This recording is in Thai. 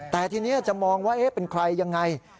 แต่ทีนี้จะมองว่าเป็นใครยังไง